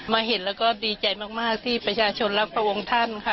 เห็นแล้วก็ดีใจมากที่ประชาชนรักพระองค์ท่านค่ะ